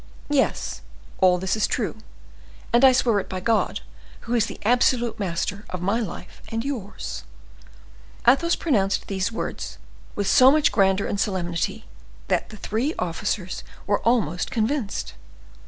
Yes, all this is true, and I swear it by God who is the absolute master of my life and yours." Athos pronounced these words with so much grandeur and solemnity, that the three officers were almost convinced.